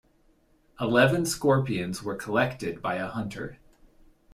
Eleven scorpions were collected by a hunter.